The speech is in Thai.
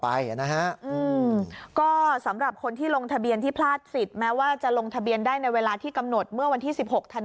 ไปเนี่ยมันงงงอยอยู่ค่ะแปลกอยู่มาน่าแปลกใจอยู่และฉันจะตัดสิน